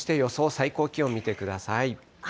最高気温見てください。